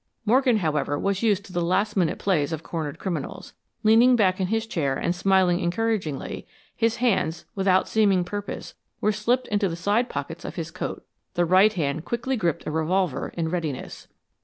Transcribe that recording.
Morgan, however, was used to the last minute plays of cornered criminals. Leaning back in his chair, and smiling encouragingly, his hands, without seeming purpose, were slipped into the side pockets of his coat. The right hand quickly gripped a revolver in readiness.